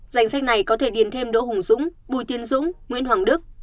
danh sách này có thể điền thêm đỗ hùng dũng bùi tiên dũng nguyễn hoàng đức